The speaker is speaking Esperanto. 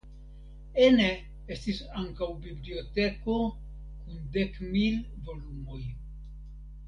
Ene estis ankaŭ biblioteko kun dek mil volumoj.